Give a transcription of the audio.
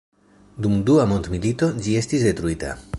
Dum Dua mondmilito ĝi estis detruita.